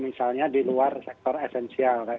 misalnya di luar sektor esensial